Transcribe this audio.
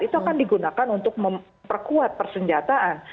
itu akan digunakan untuk memperkuat persenjataan